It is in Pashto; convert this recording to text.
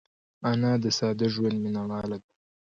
انا د ساده ژوند مینهواله ده